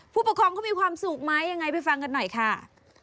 ผู้ปกครองเขามีความสุขไหมยังไงไปฟังกันหน่อยค่ะ